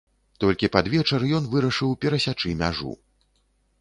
Толькі пад вечар ён вырашыў перасячы мяжу.